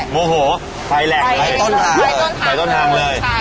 เมืองจันทร์